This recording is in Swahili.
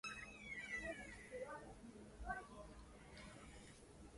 Pia kundi liliahidi ushirika na kundi la dola ya Kiislamu mwaka elfu mbili na kumi na tisa